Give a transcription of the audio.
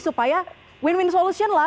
supaya win win solution lah